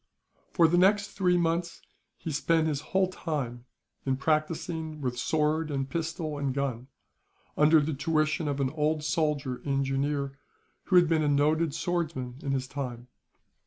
For the next three months he spent his whole time in practising with sword, pistol, and gun; under the tuition of an old soldier in Jooneer, who had been a noted swordsman in his time.